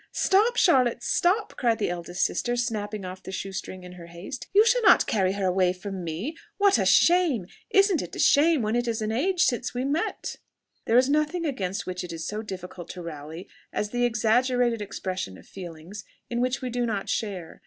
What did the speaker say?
"Stop, Charlotte!... stop!" cried the eldest sister, snapping off the shoe string in her haste "you shall not carry her away from me. What a shame! Isn't it a shame, when it is such an age since we met?" There is nothing against which it is so difficult to rally, as the exaggerated expression of feelings in which we do not share.